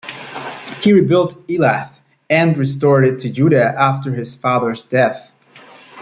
He rebuilt Elath, and restored it to Judah, after his father's death.